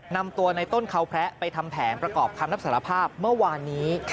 นำตัวในต้นเขาพระไปทำแผนประกอบคำรับสารภาพเมื่อวานนี้